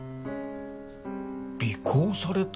尾行された？